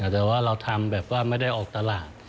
แต่ว่าเราทำแบบว่าไม่ได้ออกตลาด